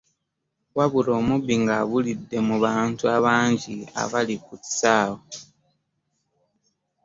Wabula omubbi ng'abulidde mu bantu abangi abaali ku kisaawe.